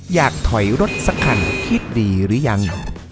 อยากถอยรถสักคันคิดดีหรือยัง